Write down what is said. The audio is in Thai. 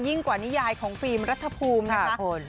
ยิ่งกว่านิยายของฟีล์มรัฐภูมินะครับค่ะ